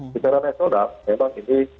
bicaranya seolah memang ini